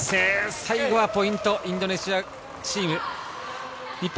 最後はポイント、インドネシアチーム。